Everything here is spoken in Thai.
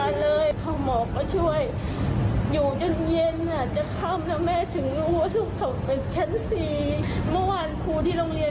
เด็กขึ้นเขาไม่ให้ข้อมูลอะไรเลย